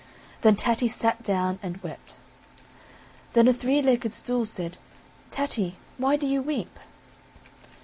Then Tatty sat down and wept; then a three legged stool said: "Tatty, why do you weep?"